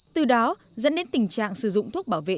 từ đó dẫn đến tình trạng sử dụng thuốc bảo vệ